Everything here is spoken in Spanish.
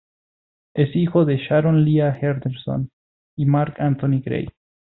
Es hijo de Sharon Lea Henderson y Mark Anthony Gray.